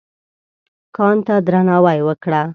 کان ته درناوی وکړه.